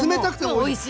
おいしい。